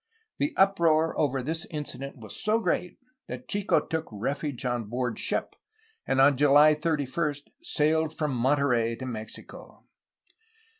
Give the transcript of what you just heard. The uproar over this incident was so great that Chico took refuge on board ship, and on July 31 sailed from Monterey to Mexico.